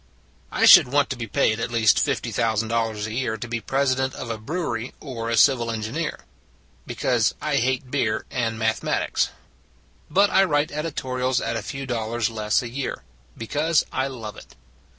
I should want to be paid at least $50, ooo a year to be president of a brewery or a civil engineer. Because I hate beer and mathematics. But I write editorials at a few dollars less a year, because I love it.